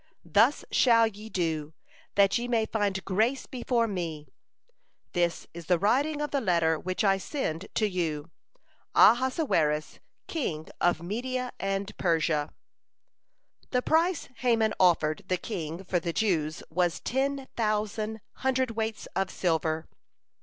Thus shall ye do, that ye may find grace before me. This is the writing of the letter which I send to you, Ahasuerus king of Media and Persia." (115) The price Haman offered the king for the Jews was ten thousand hundredweights of silver.